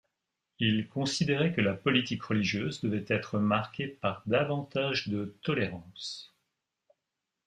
Il considérait que la politique religieuse devait être marquée par davantage de tolérance.